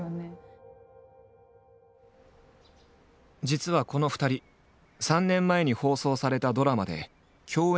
実はこの２人３年前に放送されたドラマで共演を果たしている。